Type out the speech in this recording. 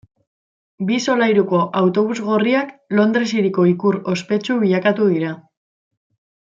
Bi solairuko autobus gorriak Londres hiriko ikur ospetsu bilakatu dira.